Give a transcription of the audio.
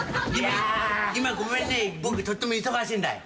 今ごめんね僕とっても忙しいんだよ。